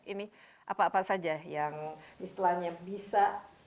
ini apa apa saja yang istilahnya bisa